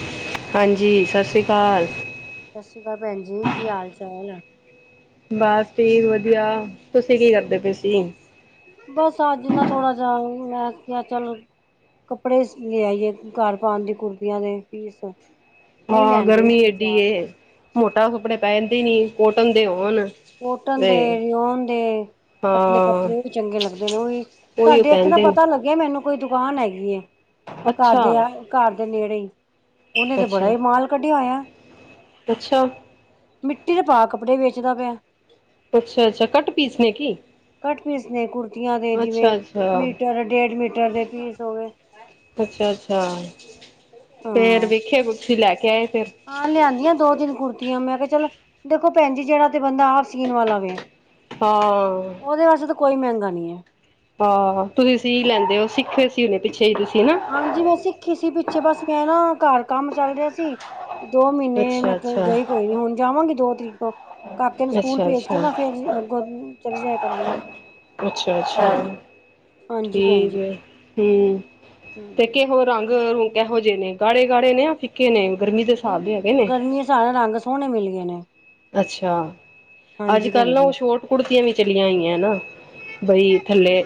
Hello. ਹਾਂਜੀ, ਸ਼ਾਸੀ ਕਾਲ। ਸਾਸਰੀ ਕਾਲ ਭੈਣ ਜੀ। ਕੀ ਹਾਲ-ਚਾਲ ਐ? ਬਸ ਠੀਕ ਵਧੀਆ। ਤੁਸੀਂ ਕੀ ਕਰਦੇ ਪਏ ਸੀ? ਬਸ ਅੱਜ ਨਾ ਥੋੜ੍ਹਾ ਜਿਹਾ ਓ ਈ, ਮੈਂ ਕਿਹਾ ਚੱਲ ਕੱਪੜੇ ਸੀ ਲਿਆਈ ਏ। ਘਰ ਪਾਣ ਦੇ, ਕੁੁਰਤੀਆਂ ਦੇ ਪੀਸ। ਉਹੀ ਹਾਂ, ਲੈਣ ਗਈ ਗਰਮੀ ਸੀ ਏਡੀ ਬਾਜ਼ਾਰ। ਏ। ਮੋਟਾ ਕੱਪੜੇ ਪੈਂਦੇ ਨੀ, ਕੋਟਨ ਦੇ ਹੋਨ। ਕੋਟਨ ਦੇ, ਰਿਓਨ ਦੇ। ਹਾਂ ਪਤਲੇ-ਪਤਲੇ ਉਹੀ ਚੰਗੇ ਲੱਗਦੇ ਨੇ। ਓਹੀ, ਉਹੀਓ ਸਾਡੇ ਉੱਥੇ ਨਾ ਪਹਿਨਦੇ ਨੇ ਪਤਾ ਲੱਗ ਯਾ ਮੈਨੁੰ ਕੋਈ ਦੁਕਾਨ ਹੈਗੀ ਏ। ਘਰ ਅੱਛਾ ਦੇ ਆ, ਘਰ ਦੇ ਨੇੜੇ ਈ। ਉਹਨੇ ਤੇ ਬੜਾ ਅੱਛਾ ਈ ਮਾਲ ਕੱਢਿਆ ਹੋਇਐ। ਅੱਛਾ ਮਿੱਟੀ ਦੇ ਭਾਅ ਕੱਪੜੇ ਵੇਚਦਾ ਪਿਐ। ਅੱਛਾ -ਅੱਛਾ, ਕੱਟ -ਪੀਸ ਨੇ ਕੀ? ਕਟ -ਪੀਸ ਨੇ ਕੁੜਤੀਆਂ ਦੇ ਜਿਵੇਂ, ਅੱਛਾ ਅੱਛਾ ਮੀਟਰ- ਡੇਢ ਮੀਟਰ ਦੇ ਪੀਸ ਹੋਵੇ। ਅੱਛਾ- ਅੱਛਾ, ਫੇਰ ਹਾਂ। ਵੇਖਿਆ ਗੁੱਛੀ ਲੈ ਕੇ ਆਏ ਫੇਰ। ਹਾਂ, ਲਿਆਂਨੀਆਂ ਦੋ-ਤਿੰਨ ਕੁੜਤੀਆਂ। ਮੈਂ ਕਿਹਾ, ਚੱਲ। ਦੇਖੋ ਭੈਨ ਜੀ, ਜਿਹੜਾ ਤੇ ਬੰਦਾ ਆਪ ਸੀਨ ਵਾਲਾ ਵੇ। ਹਾਂ ਉਹਦੇ ਵਾਸਤੇ ਤਾਂ ਕੋਈ ਮਹਿੰਗਾ ਨੀ ਐ। ਹਾ, ਤੁਸੀਂ ਸੀ ਲੈਂਦੇ ਓ। ਸਿੱਖੇ ਸੀ ਹੁਨੇ ਪਿੱਛੇ ਹੀ ਤੁਸੀਂ ਹੈਨਾ? ਹਾਂਜੀ, ਮੈਂ ਸਿੱਖੀ ਸੀ ਪਿੱਛੇ ਬਸ ਮੈਂ ਨਾ ਘਰ ਕੰਮ ਚੱਲ ਰਿਹਾ ਸੀ। ਦੋ ਮਹੀਨੇ ਅੱਛਾ ਮੈਂ ਅੱਛਾ ਗਈ ਕੋਈ ਨੀ, ਹੁਣ ਜਾਵਾਂਗੀ ਦੋ ਤਰੀਕ ਤੋਂ। ਕਾਕੇ ਨੂੰ ਸਕੂਲ ਅੱਛਾ ਭੇਜ ਕੇ ਅੱਛਾ ਨਾ ਫਿਰ ਅੱਗੋਂ ਚਲੀ ਜਾਇਆ ਕਰਾਂਗੀ। ਅੱਛਾ, ਅੱਛਾ। ਹਾਂਜੀ ਭੈਣ ਠੀਕ ਜੀ ਏ, ਹੂੰ ਤੇ ਹਮ ਕਿਹੋ ਰੰਗ ਵਿ ਕੈਹੋ ਜਿਹੇ ਨੇ, ਗਾੜੇ -ਗਾੜੇ ਨੇ ਜਾ ਫਿੱਕੇ ਨੇ ਗਰਮੀ ਦੇ ਨਹੀਂ ਹਿਸਾਬ ਦੇ ਹੈਗੇ ਨੇ। ਗਰਮੀ ਸਾਰੇ ਰੰਗ ਸੋਹਣੇ ਮਿਲ ਗਏ ਨੇ। ਅੱਛਾ, ਹਾਂਜੀ ਭੈਣ ਅੱਜ-ਕੱਲ ਨਾ ਜੀ ਉਹ ਸ਼ੋਰਟ ਕੁੜਤੀਆਂ ਵੀ ਚਲੀਆਂ ਹੋਈਐ ਨਾ। ਬਈ ਥੱਲੇ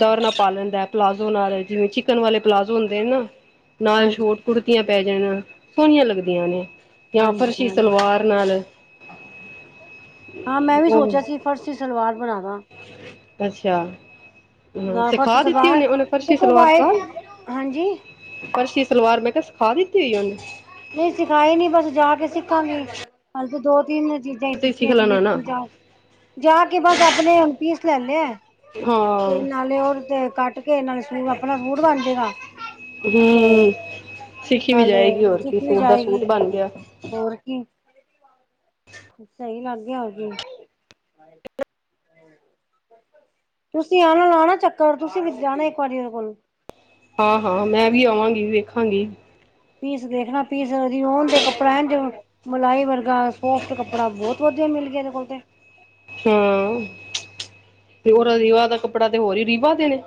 ਡਰ ਨਾਲ ਪਾ ਲੈਂਦੈ, ਪਲਾਜ਼ੋ ਨਾਲ, ਜਿਵੇਂ ਚਿਕਨ ਵਾਲੇ ਪਲਾਜ਼ੋ ਹੁੰਦੇ ਨਾ। ਹ [inaudible] ਨਾਲ ਸ਼ੋਰਟ ਕੁੜਤੀਆਂ ਪੈ ਜਾਣ, ਸੋਹਣੀਆਂ ਲੱਗਦੀਆਂ ਨੇ। ਜਾਂ ਹਾਂਜੀ ਫਰਸ਼ੀ ਹਾਂਜੀ ਸਲਵਾਰ ਨਾਲ। ਹਾਂ ਹਾਂ ਮੈਂ ਵੀ [unintelligible] ਸੋਚਿਆ ਆ, ਸੀ ਫਰਸੀ ਸਲਵਾਰ ਬਣਾ ਦਾ ਅੱਛਾ। ਹੂੰ, ਨਾ ਫਰਸ਼ ਸਿਖਾ ਦਿੱਤੀ ਸਲਵਾਰ ਉਹਨੇ, ਉਹਨੇ ਫਰਸ਼ੀ ਦੇਖੋ ਸਲਵਾਰ ਵਾਈਟ ਸਿਖਾਈ। ਹਾਂਜੀ ਫਰਸ਼ੀ ਸਲਵਾਰ ਮੈਂ ਕਿਹਾ, ਸਿਖਾ ਦਿੱਤੀ ਉਹਨੂੰ। ਨਹੀਂ ਸਿਖਾਈ ਨੀ, ਬਸ ਜਾ ਕੇ ਸਿੱਖਾਂਗੀ, ਹਾਲੇ ਤੇ ਦੋ ਤਿੰਨ ਚੀਜ਼ ਨਈ ਤੇ ਸਿੱਖ ਸਿਖੀਆਂ ਜਿਵੇਂ ਲੈਣਾ ਨਾ ਜਾ, ਜਾ ਕੇ ਬਸ ਆਪਨੇ ਹੁਨ ਪੀਸ ਲੈ ਲਿਐ। ਹਾਂ। ਤੇ ਨਾਲੇ ਉਹ ਦੇ ਕੱਟ ਕੇ, ਨਾਲੇ ਸਲੀਵ ਆਪਣਾ ਸੂਟ ਬਣ ਜੇਗਾ। ਤੇ ਹੂੰ ਸਿੱਖੀ ਵੀ ਨਾਲੇ ਜਾਏਗੀ ਹੋਰ ਕੀ ਸਿੱਖ ਵੀ ਸੂਟ ਦਾ ਜਾਏਗੀ। ਸੂਟ ਬਣ ਗਿਆ। ਹੋਰ ਕੀ? ਸਹੀ ਲੱਗ ਗਿਆ, ਹੋਰ ਕੀ। ਤੁਸੀਂ ਆਣਾ, ਲਾਣਾ ਚੱਕਰ। ਤੁਸੀਂ ਵੀ ਜਾਣਾ ਇੱਕ ਵਾਰੀ ਉਹਦੇ ਕੋਲ। ਹਾਂ, ਹਾਂ, ਮੈਂ ਵੀ ਆਵਾਂਗੀ, ਵੇਖਾਂਗੀ। ਪੀਸ ਦੇਖਣਾ, ਪੀਸ ਉਹਦੀ ਔਂਦੇ ਕੱਪੜਾ ਐਂਜ। ਮਲਾਈ ਵਰਗਾ ਸੋਫਟ ਕੱਪੜਾ ਬੋਹਤ ਵਦੀਆ ਮਿਲ ਗਿਆ ਇਹਦੇ ਕੋਲ ਤੇ। ਹਾਂ, ਤੇ ਔਰ ਹੂੰ ਰੀਵਾ ਦਾ ਕੱਪੜਾ ਤੇ ਹੋਰ ਏ ਰੀਵਾ ਦੇ ਨੇ।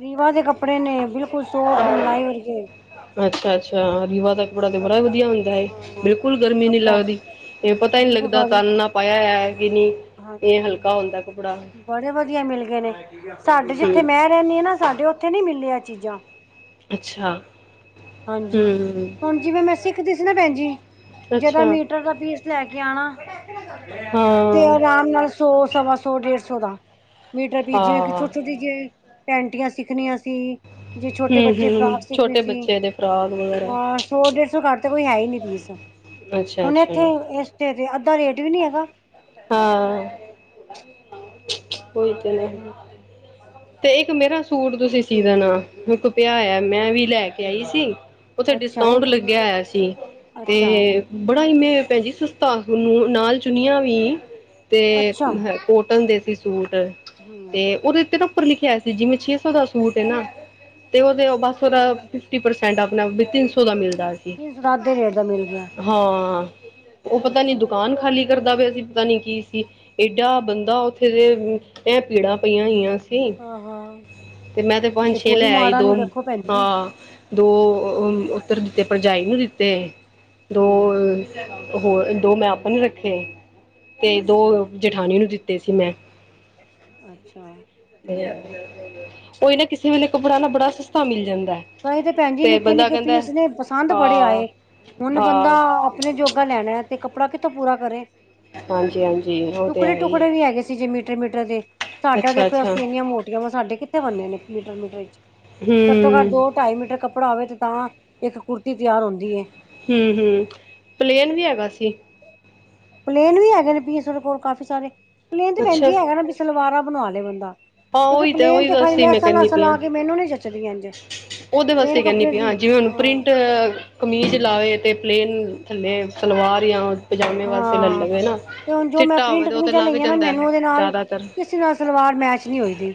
ਰੀਵਾ ਦੇ ਕੱਪੜੇ ਨੇ, ਬਿਲਕੁਲ ਸੋਫਟ, ਮਿਲਾਈ ਵਰਗੇ। ਅੱਛਾ -ਅੱਛਾ, ਰੀਵਾ ਦਾ ਕਪੜਾ ਤੇ ਬੜਾ ਕੱਪੜਾ ਵਧੀਆ ਹੁੰਦਾ ਏ, ਹਾਂ ਬਿਲਕੁਲ ਗਰਮੀ ਨੀ ਕੱਪੜਾ ਲੱਗਦੀ, ਤੇ ਪਤਾ ਈ ਨੀ ਬਿਲਕੁਲ ਲੱਗਦਾ ਕਰ ਤਨ ਨਾ ਪਾਇਆ ਹੈਅ ਕਿ ਨੀ। ਹਾਂਜੀ, ਬੜੇ ਵਧੀਆ ਮਿਲ ਗਏ ਨੇ, ਸਾਡੇ ਜਿੱਥੇ ਹੂੰ ਮੈਂ ਕਹਿਨੀ ਏ ਨਾ, ਸਾਡੇ ਉੱਥੇ ਨਈ ਮਿਲਨੀਆਂ ਚੀਜ਼ਾਂ। ਅੱਛਾ ਹਾਂਜੀ, ਹੂੰ ਹੁਣ ਜਿਵੇਂ ਮੈਂ ਸਿੱਖਦੀ ਸੀ ਨਾ ਭੈਨ ਜੀ। ਜਦੋ ਅੱਛਾ ਮੀਟਰ ਦਾ ਪੀਸ ਲੈ ਕੇ ਆਣਾ। ਤੇ ਹਾਂ। ਆਰਾਮ ਨਾਲ ਸੌ, ਸਵਾ ਸੌ, ਡੇਢ ਸੌ ਦਾ, ਮੀਟਰ ਪੀਸ ਜਿਵੇਂ ਕਿ ਹਾਂ ਛੋਟੀ- ਛੋਟੀ ਜੇ ਪੈਂਟੀਆਂ ਸਿੱਖਨੀਆਂ ਸੀ, ਜੇ ਛੋਟੇ ਬੱਚੇ ਹੂੰ-ਹੂੰ ਫਰਾਕ ਸਿੱਖਨੀ ਛੋਟੇ ਸੀ। ਬੱਚੇ ਦੇ ਫਰਾਕ ਵਗੈਰਾ ਸੌ ਡੇਢ ਸੌ ਘੱਟ ਤੇ ਕੋਈ ਹੈ ਈ ਨੀ ਪੀਸ। ਹੁਨ ਅੱਛਾ-ਅੱਛਾ ਇੱਥੇ ਏਸ ਤੇ ਤੇ ਅੱਧਾ ਰੇਟ ਵੀ ਨੀ ਹੈਗਾ। ਹਾਂ। ਉਈ ਤੇ, ਤੇ ਇੱਕ ਮੇਰਾ ਸੁਟ ਤੁਸੀਂ ਸੀ ਦੇਨਾ ਮੇਰੇ ਕੋ ਪਿਆ ਹੋਐ, ਮੈਂ ਵੀ ਲੈ ਕੇ ਆਈ ਸੀ ਉਥੇ ਅੱਛਾ ਡਿਸਕਾਊਂਟ ਲੱਗਿਆ ਹੋਇਆ ਸੀ। ਅੱਛਾ ਤੇ ਬੜਾ ਈ ਮੇ ਭੈਣ ਜੀ ਸਸਤਾ ਨੂੰ ਨਾਲ ਚੁਣਿਆ ਵੀ। ਤੇ ਅੱਛਾ ਕੋਟਨ ਦੇ ਸੀ ਸੂਟ ਹੂੰ ਤੇ ਉਦੇ ਤੇ ਨਾ ਉੱਪਰ ਲਿਖਿਆ ਹੋਆ ਸੀ, ਜਿਵੇਂ ਛੇ ਸੌ ਦਾ ਸੂਟ ਏ ਨਾ ਤੇ ਉਦੇ ਬਸ ਉਦਾ ਫਿਫਟੀ ਪਰਸੈੰਟ ਆਪਨਾ ਸੋ ਦਾ ਮਿਲਦਾ ਸੀ। ਤਿੰਨ ਸੌ ਦੱਸ ਦੇ ਰੇਟ ਦਾ ਮਿਲ ਗਿਆ ਹਾਂ ਉ ਪਤਾ ਨੀ ਅੱਛਾ ਦੁਕਾਨ ਖਾਲੀ ਕਰਦਾ ਪਿਆ ਸੀ। ਪਤਾ ਨੀ ਕੀ ਸੀ ਏਡਾ ਬੰਦਾ ਉੱਥੇ ਤੇ, ਐ ਭੀੜਾਂ ਪਈਆਂ ਹੋਈਆਂ ਸੀ। ਹਾਂ ਹਾਂ ਤੇ ਮੈਂ ਤੇ ਪੰਜ ਛੇ ਕੋਈ ਲੈ ਆਈ। ਮਾੜਾ ਨੀ ਦੋ, ਵੇਖੋ ਭੈਣ ਜੀ ਹਾਂ ਦੋ ੳ ਉੱਦਰ ਦਿੱਤੇ ਭਰਜਾਈ ਨੂੰ ਦਿੱਤੇ। ਦੋ ਹੂੰ ਹੋਰ ਦੋ ਮੈਂ ਆਪਨੇ ਰੱਖੇ ਤੇ ਦੋ ਅੱਛਾ ਜਠਾਾਨ ਨੂੰ ਦਿੱਤੇ ਸੀ ਮੈਂ। ਅੱਛਾ ਤੇ ਹੂੰ ਉਈ ਨਾ ਕਿਸੇ ਵੇਲੇ ਕਪੜਾ ਨਾ ਬੜਾ ਸਸਤਾ ਮਿਲ ਜਾਂਦੈ। ਕਈ ਤੇ ਭੈਣ ਜੀ ਨਿੱਕੇ-ਨਿੱਕੇ ਪੀਸ ਨੇ ਪਸੰਦ ਬੜੇ ਹਾਂ ਆਏ, ਹੁਨ ਬੰਦਾ ਹਾਂ ਅਪਨੇ ਜੋਗਾ ਲੈਨੈ ਤੇ ਕੱਪੜਾ ਕਿੱਥੋਂ ਪੂਰਾ ਕਰੇ। ਹਾਂਜੀ ਹਾਂਜੀ ਉਹ ਤੇ ਹੈ ਹੀ ਟੁਕੜੇ-ਟੁਕੜੇ ਵੀ ਹੈਗੇ ਸੀ ਜੇ ਮੀਟਰ-ਮੀਟਰ ਦੇ। ਤੁਹਾਡਾ ਅੱਛਾ ਦੇਖੋ ਅੱਛਾ ਅਸੀਂ ਇਨੀਆਂ ਮੋਟੀਆਂ ਵਾ, ਸਾਡੇ ਕਿਥੇ ਬੰਦੇ ਨੇ ਮੀਟਰ-ਮੀਟਰ ਵਿਚ ਘੱਟੋ ਘੱਟ ਹਮ ਉ ਢਾਈ ਮੀਟਰ ਕੱਪੜਾ ਹੋਵੇ ਤੇ ਤਾਂ ਇੱਕ ਕੁਰਤੀ ਤਿਆਰ ਹੁੰਦੀ ਏ। ਹੂੰ-ਹੂੰ ਪਲੇਨ ਵੀ ਹੈਗਾ ਸੀ। ਪਲੇਨ ਵੀ ਹੈਗੇ ਨੇ ਪੀਸ ੳਦੇ ਕੋਲ ਕਾਫੀ ਸਾਰੇ, ਪਲੇਨ ਤੇ ਭੈਨ ਅੱਛਾ ਜੀ ਐ ਹੈਗਾ ਨਾ ਵੀ ਸਲਵਾਰਾਂ ਬਨਵਾ ਲੇ ਬੰਦਾ। ਹਾਂ ਕਿਉਂਕਿ ਉਹੀ ਤਾਂ ਪਲੇਨ ਉਹੀ ਤੇ ਬਸ ਖਾੜੀ ਸੀ ਮੈਂ ਕਰਨੀ ਲੈਸਾ-ਲੈਸਾ ਲਾ ਕੇ ਮੈਨੂੰ ਨੀ ਜਚਦੀ ਐਂਜ। ਉਦੇ ਵਾਸਤੇ ਕੈਂਨੀ ਪਈ ਆਂ ਜਿਵੇਂ ਹੁਨ ਪ੍ਰਿੰਟ ਕਮੀਜ਼ ਲਾਵੇ ਤੇ ਪਲੇਨ ਥੱਲੇ ਸਲਵਾਰ ਯਾਂ ਪਜਾਮੇ ਵਾਸਤੇ ਲਲ ਹਾਂ ਲਵੇ ਨਾ, ਤੇ ਹੁਣ ਜੋ ਮੈਂ ਚਿੱਟਾ ਹੋਵੇ ਪ੍ਰਿੰਟ ਤਾ ਕਮੀਜ਼ਾਂ ਲੱਗ ਲਈਆਂ ਨਾ ਜਾਂਦੈ ਮੈਨੂੰ ਉਹਦੇ ਨਾਲ ਜਾਦਾਤਰ। ਕਿਸੇ ਨਾਲ ਸਲਵਾਰ ਮੈਚ ਨੀ ਹੋਈਦੀ,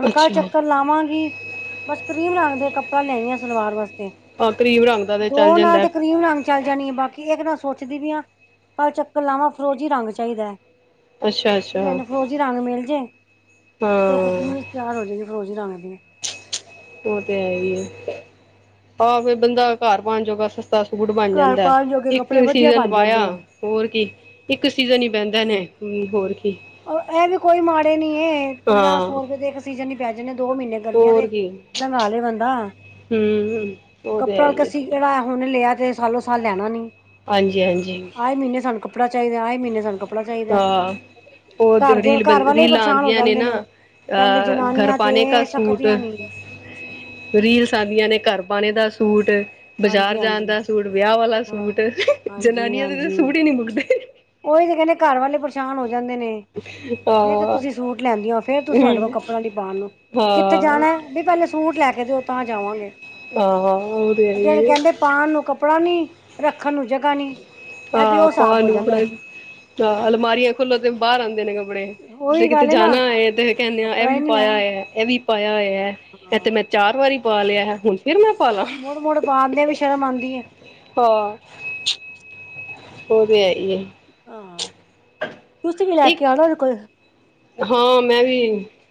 ਹੁਨ ਕੱਲ ਅੱਛਾ ਚੱਕਰ ਲਾਵਾਂਗੀ ਬਸ ਕਰੀਮ ਰੰਗ ਦੇ ਕੱਪੜਾ ਲਿਆਈਆਂ ਸਲਵਾਰ ਵਾਸਤੇ ਹਾਂ ਕਰੀਮ ਰੰਗ ਦਾ ਤੇ ਚੱਲ ਦੋ ਨਾਲ ਜਾਂਦਾ ਤਤ ਕਰੀਮ ਰੰਗ ਚੱਲ ਜਾਨੀ ਆ ਬਾਕੀ ਏਕ ਨਾ ਸੋਚਦੀ ਵੀ ਆ, ਕੱਲ ਚੱਕਰ ਲਾਵਾਂ ਫਰੋਜ਼ੀ ਰੰਗ ਚਾਈਦੈ। ਅੱਛਾ ਵੀ ਅੱਛਾ ਹਾਂ ਮੈਨੂੰ ਫਰੋਜ਼ੀ ਰੰਗ ਮੇਲ ਜੇ, ਤੇ ਏਕ ਕਮੀਜ ਤਿਆਰ ਹੋ ਜੇਗੀ ਫਰੋਜ਼ੀ ਰੰਗ ਦੀ। ਉ ਤੇ ਹੈ ਈ ਏ ਆਹ ਫੇਰ ਬੰਦਾ ਘਾਰ ਪਾਨ ਜੋਗਾ ਸ ਤਾ ਸੂਟ ਬਣ ਘਰ ਜਾਂਦੈ ਪਾਉਣ ਜੋਗੇ ਇੱਕ ਕੱਪੜੇ ਵਧੀਆ ਸੀਜ਼ਨ ਬਣ ਪਾਇਆ ਜਾਂਦੇ ਆ ਹੋਰ ਕੀ ਇੱਕ ਸੀਜ਼ਨ ਈ ਪੈਂਦੇ ਨੇ ਹੂੰ ਹੋਰ ਕੀ। ੳ ਐ ਵੀ ਕੋਈ ਮਾੜੇ ਨੀ ਏ, ਪੰਜਾਹ ਹਾਂ ਸੌ ਰੁਪਏ ਦੇ ਇੱਕ ਸੀਜਨ ਈ ਪੈ ਜਾਂਨੇ ਦੋ ਮੀਨੇ ਗਰਮੀਆਂ ਦੇ ਹੋਰ ਕੀ ਲੰਗਾ ਲੇ ਬੰਦਾ। ਹਮ ਉਹ ਤੇ ਹੈ ਕੱਪੜਾ ਹੀ ਹੈ ਕਸੀ ਕੇੜਾ ਹੁਨ ਲਿਆ ਤੇ ਸਾਲੋ ਸਾਲ ਲੈਨਾ ਨੀ। ਹਾਂਜੀ-ਹਾਂਜੀ ਆਏ ਮੀਨੇ ਸਾਨੂੰ ਕੱਪੜਾ ਚਾਈਦੈ, ਆਏ ਮੀਨੇ ਸਾਨੂੰ ਕੱਪੜਾ ਚਾਈਦੈ। ਉ ਦ ਰੀਲ ਬਨ ਰੀਲਾ ਪਰੇਸ਼ਾਨ ਹੋ ਆਂਦੀਆਂ ਨੇ ਜਾਂਦੇ ਨਾ। ਕਹਿੰਦੇ ਘਰ ਜਨਾਨੀਆਂ ਪਾਨੇ ਕਾ ਤੇ ਸੂਟ ਥੱਕਦੀਆਂ ਨੀ ਰੀਲਸ ਆਂਦੀਆਂ ਨੇ ਘਰ ਪਾਣੇ ਦਾ ਸੂਟ, ਹਾਂਜੀ ਬਾਜ਼ਾਰ ਜਾਨ ਹਾਂਜੀ ਦਾ ਸੂਟ, ਵਿਆਹ ਹਾਂ ਸੂਟ ਹਾਂਜੀ ਜਨਾਨੀਆਂ ਦੇ ਤਾਂ ਹਾਂਜੀ ਸੂਟ ਹੀ ਨਹੀਂ ਮੁੱਕਦੇ। ਉਹੀ ਤੇ ਕਹਿੰਦੇ ਘਰ ਵਾਲੇ ਪਰੇਸ਼ਾਨ ਹੋ ਜਾਂਦੇ ਨੇ। ਨਹੀਂ ਤਾਂ ਹਾਂ ਤੁਸੀਂ ਸੂਟ ਲੈਂਦੀ ਹੋ ਫਿਰ ਤੁਸੀਂ ਸਾਡੇ ਕੋਲ ਹਮ ਕੱਪੜਾ ਨਹੀਂ ਪਾਉਣ ਨੂੰ ਕਿੱਥੇ ਹਾਂ ਜਾਣਾ? ਪਹਿਲਾ ਸੂਟ ਲੈ ਕੇ ਦਿਓ ਤਾਂ ਜਾਵਾਂਗੇ। ਹਾਂ ਉਹ ਤੇ ਹੈ ਹੀ ਹੈ। ਪਾਨ ਨੂੰ ਕੱਪੜਾ ਨਹੀਂ, ਰੱਖਣ ਨੂੰ ਜਗ੍ਹਾ ਨਹੀਂ। ਹਾਂ ਪਾ ਨੂੰ ਅਪੜੇ ਆ ਅਲਮਾਰੀਆਂ ਖੁੱਲੋ ਤੇ ਬਾਹਰ ਆਉਂਦੇ ਨੇ ਕਪ ੜੇ ਜੇ ਉਹੀ ਕਿਤੇ ਗੱਲ ਹੈ ਜਾਣਾ ਨਾ ਹੈਏ ਤੇ ਕਹਿੰਦੇ ਆ ਇਹ ਕੱਪੜਾ ਹੀ ਵੀ ਨੀ ਹੈ ਪਾਇਆ ਹੋਯੈ, ਇਹ ਵੀ ਪਾਇਆ ਹੋਯੈ ਇਹ ਤੇ ਹਾਂ ਮੈਂ ਚਾਰ ਵਾਰੀ ਪਾ ਲਿਆ ਏ ਹੁਣ ਫਿਰ ਮੈਂ ਪਾ ਲਾ। ਮੁੜ, ਮੁੜ ਪਾ ਕੇ ਵੀ ਸ਼ਰਮ ਆੰਦੀ ਏ। ਹਾਂ। ਔਹ ਤੇ ਹੈ ਈ ਏ। ਹਾਂ, ਤੁਸੀਂ ਵੀ ਲੈ ਇੱਕ ਕੇ ਆਔ ਨਾ ਔਹਦੇ ਕੋਲ ਹਾਂ ਮੈਂ ਵੀ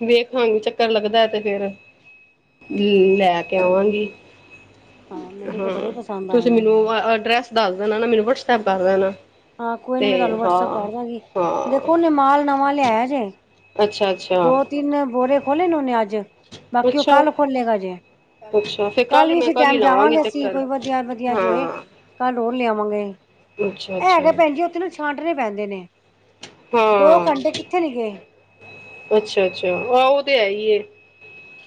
ਵੇਖਾਂਗੀ ਚੱਕਰ ਲੱਗਦਾ ਤੇ ਫੇਰ, ਹਮ ਲੈ ਕੇ ਆਵਾਂਗੀ, ਮੈਨੂੰ ਤੇ ਹਾਂ ਬੜੇ ਪਸੰਦ ਆਏ ਤੁਸੀਂ ਨੇ ਮੈਨੂੰ ਅਡਰੈਸ ਦੱਸ ਦੇਣਾ ਨਾ, ਮੈਨੂੰ ਵਟਸੈਪ ਕਰ ਦੇ ਨਾ। ਹਾਂ ਕੋਈ ਨੀ ਮੈਂ ਤੁਹਾਨੂੰ ਵਟਸਐਪ ਕਰ ਦਾਂਗੀ, ਹਾਂ ਦੇਖੋ ਔਹ ਨੇ ਮਾਲ ਨਵਾਂ ਲਿਆਯਾ ਜੇ। ਅੱਛਾ, ਅੱਛਾ ਦੋ ਤਿੰਨ ਬੋਰੇ ਖੋਲ੍ਹਲੇ ਨੇ ਉਹਨੇ ਅੱਜ, ਬਾਕੀ ਓਹ ਅੱਛਾ ਕੱਲ ਖੋਲਲੇੇਗਾ ਜੇ। ਅੱਛਾ ਫਿਰ ਕੱਲ ਵੀ ਮੈਂ ਇਸੀ ਹੀ ਟਾਈਮ ਲਾਵਾਂਗੀ ਜਾਵਾਂਗੇ ਅਸੀਂ ਚੱਕਰ ਕੋਈ ਵਧੀਆ, ਵਧੀਆ ਜੇ ਹੋਏ ਹਾਂ ਕੱਲ ਹੋਰ ਲਿਆਵਾਂਗੇ। ਅੱਛਾ ਏ ਅੱਛਾ ਹੈਗਾ ਭੈਣ ਜੀ ਓਥੇ ਨਾ ਛਾਂਟਣੇ ਪੈਂਦੇ ਨੇ ਦੋ ਹਾਂ ਕੰੰਟੇ ਕਿੱਥੇ ਨੀ ਗਏ। ਅੱਛਾ, ਅੱਛਾ ਆਹੋ ਓਹ ਤੇ ਹੈ ਹੀ ਏ।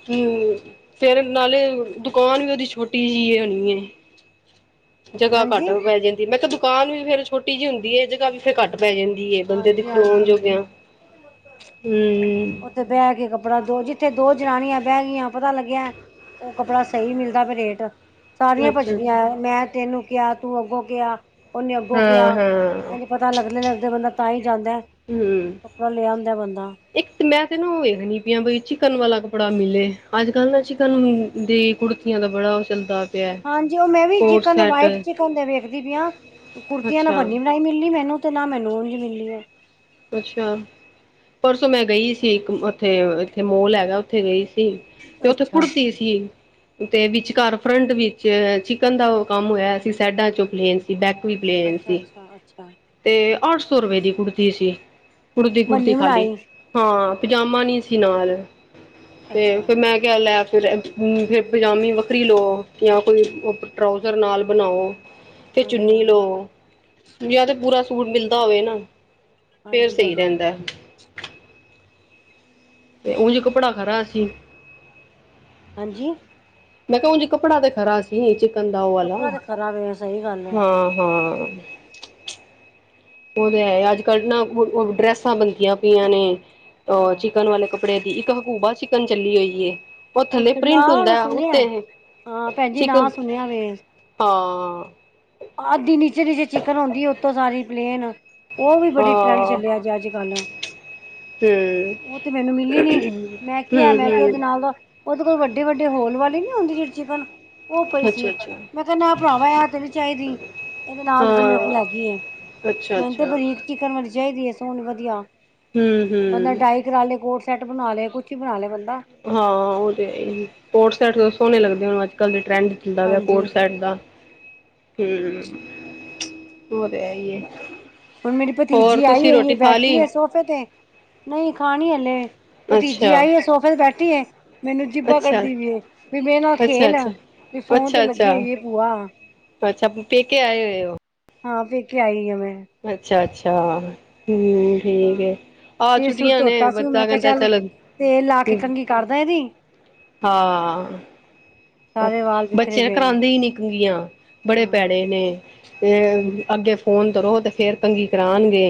ਹਮ ਫੇਰ ਨਾਲੇ ਦੁਕਾਨ ਵੀ ਓਹਦੀ ਛੋਟੀ ਜਿਹੀ ਹੋਣੀ ਏ। ਜਗ੍ਹਾ ਘੱਟ ਹਾਂਜੀ ਪੈ ਜਾਂਦੀ, ਮੈਂ ਕਿਹਾ ਦੁਕਾਨ ਵੀ ਫੇਰ ਛੋਟੀ ਜਿਹੀ ਹੁੰਦੀ ਹੈ। ਜਗ੍ਹਾ ਵੀ ਫੇਰ ਘੱਟ ਪੈ ਜਾਂਦੀ ਹੈ, ਬੰਦੇ ਦੇ ਹਾਂਜੀ ਖਲੋਉਣ ਹਾਂਜੀ ਜੋਗਿਆਂ ਹਮ। ਤੇ ਬਹਿ ਕੇ ਕੱਪੜਾ ਦੋ ਜਿੱਥੇ ਦੋ ਜਨਣੀਆਂ ਬਹਿ ਗਈਆਂ ਪਤਾ ਲੱਗਿਆ ਐਹ ਕੱਪੜਾ ਸਹੀ ਮਿਲਦਾ ਪਿਆ ਰੇਟ। ਸਾਰੀਆਂ ਅੱਛਾ ਪਜਦੀਆਂ, ਅੱਛਾ ਮੈਂ ਤੈਨੂੰ ਕਿਹਾ, ਤੂੰ ਅੱਗੋਂ ਕਿਹਾ ਓਹਨੇ ਅੱਗੋਂ ਕਿਆ ਹਾਂ ਹਾਂ ਅ ਪਤਾ ਲੱਗਦੇ- ਲੱਗਦੇ ਬੰਦਾ ਤਾਂ ਹੀ ਜਾਂਦਾ, ਹੂੰ ਕੱਪੜਾ ਲਿਆ ਹੁੰਦਾ ਬੰਦਾ। ਇੱਕ ਮੈਂ ਤੇ ਨਾ ਵੇਖ ਨੀ ਪਈਯਾ ਬਈ ਚਿਕਨ ਵਾਲਾ ਕੱਪੜਾ ਮਿਲੇ ਅੱਜ ਕੱਲ੍ਹ ਚਿਕਨ ਨੂੰ ਦੀ ਕੁੜਤੀ ਕੁੜਤੀਆਂ ਦਾ ਬੜਾ ਓਹ ਚੱਲਦਾ ਪਿਆ ਹਾਂਜੀ, ਉਹ ਮੈਂ ਵੀ coat chikan set white chikan ਦੇ ਵੇਖਦੀ ਪੀਆ ਹਾਂ ਕੁੜਤੀਆਂ ਨਾਲ ਅੱਛਾ ਬੰਨੀ ਬਣਾਈ ਮਿਲਣੀ ਮੈਨੂੰ ਤੇ ਨਾ ਮੈਨੂੰ ਉਝ ਹੀ ਮਿਲੀ ਏ। ਅੱਛਾ, ਪਰਸੋਂ ਮੈਂ ਗਈ ਸੀ ਇੱਕ ਉੱਥੇ ਇੱਥੇ ਮੋਲ ਹੈਗਾ ਉੱਥੇ ਗਈ ਸੀ। ਤੇ ਉੱਥੇ ਅੱਛਾ ਕੁੜਤੀ ਕੀ ਤੇ ਵਿਚਕਾਰ ਫਰੰਟ ਵਿੱਚ ਚਿਕਨ ਦਾ ਉਹ ਕੰਮ ਹੋਇਆ ਸੀ, ਸਾਈਡਾਂ ਚੋਂ ਪਲੇਨਸੀ ਤੇ ਬੈਕ ਵੀ ਪਲੇਣ ਅੱਛਾ ਸੀ। ਅੱਛਾ, ਅੱਛਾ ਤੇ ਆੱਠ ਸੌ ਰੁਪਏ ਦੀ ਕੁੜਤੀ ਸੀ ਕੁੜਤੀ -ਕੁੜਤੀ ਬੰਨੀ ਖਾਲੀ। ਬਣਾਈ ਹਾਂ ਪਜਾਮਾ ਨੀ ਸੀ ਨਾਲ ਤੇ ਅੱਛਾ ਫਿਰ ਮੈਂ ਲੈ ਫੇਰ ਫਿਰ ਪਜਾਮੀ ਵੱਖਰੀ ਲਓ ਜਾਂ ਕੋਈ ਟਰਾਊਜ਼ਰ ਨਾਲ ਬਣਾਓ। [inaudible] ਤੇ ਚੁੰਨੀ ਹਾਂਜੀ ਲਓ ਯਾ ਤਾਂ ਪੂਰਾ ਸੂਟ ਮਿਲਦਾ ਹੋਵੇ ਨਾ। ਫੇਰ ਹਾਂਜੀ ਸਹੀ ਭੈਣ ਜੀ ਰਹਿੰਦਾ ਏ। ਤੇ ਉਂਝ ਕੱਪੜਾ ਖਰਾ ਸੀ। ਹਾਂਜੀ। ਮੈਂ ਕਿਹਾ ਓਝ ਕੱਪੜਾ ਤੇ ਖਰਾ ਸੀ, ਚਿਕਨ ਦਾ ਓਹ ਵਾਲਾ ਕੱਪੜਾ ਤੇ ਖਰਾ ਵੇ ਸਹੀ ਗੱਲ ਹੈ ਹਾਂ, ਹਾਂ। ਓਹ ਤਾਂ ਹੈ ਅੱਜ ਕੱਲ੍ਹ ਨਾ ਡਰੈਸਾਂ ਬਣਦੀਆਂ ਪਈਆਂ ਨੇ, ਅਹ ਹਾਂ ਚਿਕਨ ਵਾਲੇ ਕੱਪੜੇ ਕੱਪੜੇ ਦੀ, ਇੱਕ ਹਕੂਬਾ ਚਿਕਨ ਚੱਲੀ ਹੋਈ ਏ। ਉਹ ਥੱਲੇ ਅੱਛਾ ਨਾ ਪ੍ਰਿੰਟ ਮੈਂ ਹੁੰਦਾ ਸੁਣਿਆ ਉੱਤੇ ਹਾਂ ਭੈਣ ਜੀ ਚੀਕ ਹਾਂ। ਨਾ ਸੁਣਿਆ ਵੇ ਅੱਧੀ ਨੀਚੇ- ਨੀਚੇ ਚਿਕਨ ਆਉਂਦੀ ਉਤੋਂ ਸਾਰੀ ਪਲੇਨ ਓਹ ਵੀ ਬੜੀ ਟਰੈਂਡ ਹਾਂ ਚੱਲਿਆ ਜੇ ਅੱਜ ਕੱਲ੍ਹ ਹਮ ਉਹ ਤੇ ਮੈਨੂੰ ਮਿਲੀ ਨੀ ਮੈਂ ਕਿਹਾ ਹਮ ਮੈਂ ਕਿਹਾ ਇਹਦੇ ਹਮ ਨਾਲ ਉਹਦੇ ਕੋਲ ਵੱਡੇ- ਵੱਡੇ ਹੋਲ ਵਾਲੀ ਨੀ ਆਉਂਦੀ ਜਿਹੜੀ ਚਿਕਨ ਓਹ ਪਈ ਸੀ, ਅੱਛਾ ਅੱਛਾ ਮੈਂ ਕਹਿੰਦਾ ਇਹ ਭਰਾਵਾ ਇਹ ਤੇ ਚਾਹੀਦੀ ਇਹਦੇ ਨਾਲ ਤੇ ਮੇਰੇ ਹਾਂ ਕੋਲ ਹੈਗੀ ਏ ਅੱਛਾ ਮੈਨੁੰ ਅੱਛਾ ਤੇ ਬਰੀਕ ਚਿਕਨ ਵਾਲੀ ਚਾਹੀਦੀ ਹੈ। ਸੋਹਨੀ ਵਧੀਆ ਹਮ ਬੰਦਾ ਹਮ ਡਾਇ ਕਰਾਲੇ ਕੋਟ ਸੈਟ ਬਣਾ ਲਏ। ਕੁੱਛ ਹੀ ਬਣਾ ਲਏ ਬੰਦਾ। ਹਾਂ ਉਹ ਤੇ ਹੈ ਹੀ। ਕੋਰਡ ਸੈਟ ਸੋਹਣੇ ਲੱਗਦੇ ਨੇ। ਅੱਜ ਕੱਲ੍ਹ ਦੇ ਟਰੈਂਡ ਦਾ ਵੇ ਕੋਟ ਹਾਂਜੀ ਸੈਟ ਦਾ। ਹੂ ਉਹ ਤੇ ਹੈ ਹੀ ਹੈ। ਹੁਣ ਮੇਰੀ ਭਤੀਜੀ ਆਈ ਹੋਈ ਹੈ। ਬੈਠੀ ਹੈ ਸੋਫੇ ਤੇ ਨਹੀਂ ਖਾਣੀ ਹਲੇ। ਅੱਛਾ ਭਤੀਜੀ ਆਈ ਆ ਸੋਫੇ ਤੇ ਬੈਠੀਏ। ਮੈਨੂੰ ਜੀਭਾਂ ਅੱਛਾ ਕੱਢਦੀ ਵੀਏ, ਵੀ ਮੇਰੇ ਨਾਲ ਅੱਛਾ ਖੇਲ ਆ ਅੱਛਾ ਵੀ ਫੋਨ ਤੇ ਅੱਛਾ ਲੱਗੀ ਅੱਛਾ ਓਈਏ ਭੂਆ ਅੱਛਾ। ਪੇਕੇ ਆਏ ਹੋਏ ਹੋ ਹਾਂ ਪੇਕੇ ਆਈ ਆ ਮੈਂ। ਅੱਛਾ-ਅੱਛਾ! ਹੂ। ਠੀਕ ਹਾਂ ਏ ਆਹ ਸਿਰ ਸੁਰ ਛੁੱਟੀਆਂ ਨੇ ਧੋਤਾ ਸੀ ਮੈਂ ਬੱਦਾ ਕਿਹਾ ਕਹਿੰਦਾ ਚੱਲ ਤੇਲ ਲਾ ਕੇ ਕੰਘੀ ਕਰਦਾ ਇਹਦੀ। ਹਾਂ, ਸਾਰੇ ਵਾਲ ਬਿਖਰੇ ਬੱਚੇ ਨਾ ਪਏ ਨੇ ਕਰਾਉਂਦੇ ਹੀ ਨੀ ਕੰਗੀਆਂ। ਬੜੇ ਹਾਂ ਭੈੜੇ ਨੇ ਤੇ ਅੱਗੇ ਫੋਨ ਕਰੋ, ਤੇ ਫੇਰ ਕੰੰਗੀ ਕਰਾਉਣਗੇ।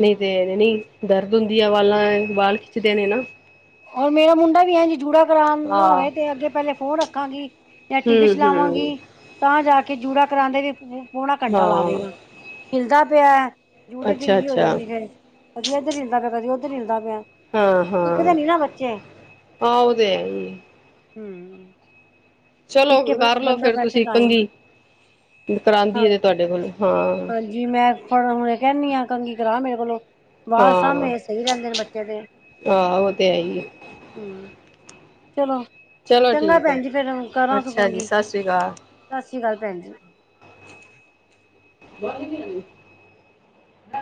ਨਹੀਂ ਤੇ ਇਵੇ ਨਹੀਂ ਦਰਦ ਹੁੰਦੀ, ਆ ਵਾਲਾਂ ਵਾਲ ਖਿੱਚਦੇ ਨੇ ਨਾ ਉਹ ਮੇਰਾ ਮੁੰਡਾ ਵੀ ਐਂ ਜੀ ਜੂੜਾ ਕਰਾਨਾ ਹਾਂ ਹੋਵੇ ਤੇ ਅੱਗੇ ਪਹਿਲੇ ਫੋਨ ਰੱਖਾਂਗੀ। ਜਾਂ ਟੀ ਵੀ ਹਮ ਚਲਾਵਾਂਗੀ ਤਾਂ ਜਾ ਕੇ ਜੂੜਾ ਕਰਾਦੇ ਵੀ ਪੋਣਾ ਹਮ ਘੰਟਾ ਲਾ ਹਾਂ ਦੇਗਾ। ਹਿਲਦਾ ਪਿਆ ਜੂੜੀ ਅੱਛਾ ਡਿੰਗੀ ਹੋ ਅੱਛਾ ਜਾਂਦੀ ਫਿਰ। ਕਦੀਂ ਇਧਰ ਹਿਲਦਾ ਪਿਆ। ਕਦੀਂ ਉਧਰ ਹਿਲਦਾ ਪਿਆ। ਟਿਕਦੇ ਨੀਂ ਨਾ ਬੱਚੇ। ਆਵਦੇ ਹੈ ਨੀ। ਹੂ ਅ ਚਲੋ ਕਰਲੋ। ਫੇਰ ਬੈਠੇ ਤੁਸੀਂ ਤਾਂ ਹੀ ਕੰਘੀ ਕਰਾਂਦੀ ਹੈ, ਤੇ ਤੁਹਾਡੇ ਕੋਲੋ ਹਾਂ। ਜੀ ਮੈਂ ਫੜ ਹੁਣੇ ਕਹਿੰਦੀ ਆਾਂ ਕੰਗੀ ਕਰਾ ਮੇਰੇ ਕੋਲੋਂ ਵਾਲ ਹਾਂ ਸਾਭੇ ਸਹੀ ਰਹਿੰਦੇ ਨੇ ਬੱਚੇ ਦੇ ਹੂ ਆਹ ਉਹ ਤੇ ਹੈ ਹੀ ਚਲੋ ਚਲੋ ਚੰਗਾ ਠੀਕ ਹੈ ਭੈਣ ਜੀ ਫੇਰ ਕਰਾਂ ਸੁ ਅੱਛਾ ਜੀ ਕੰਗੀ। ਸਤਿ ਸ਼੍ਰੀ ਅਕਾਲ ਸਤਿ ਸ੍ਰੀ ਅਕਾਲ ਭੈਣ ਜੀ। ਬ [inaudible]